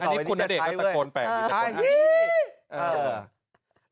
อันนี้คุณณเดชน์ก็ตะกดแปลงอยู่จากนั้น